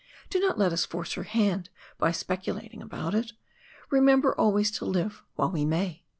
Do not let us force her hand by speculating about it. Remember always to live while we may."